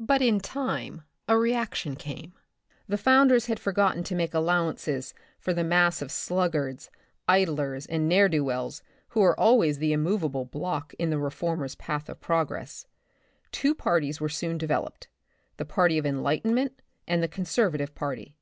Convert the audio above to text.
But in time, a re , action came. The founders had forgotten to make allowances for the mass of sluggards, idlers, and ne'er do wells who are always the im movable block in the reformer's path of progress. Two parties were soon developed ; the party of enlightment and the conservative party.